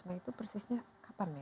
nah itu persisnya kapan ya